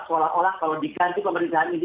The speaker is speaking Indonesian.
seolah olah kalau diganti pemerintahan ini